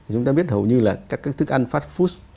chúng ta biết hầu như là các thức ăn phát food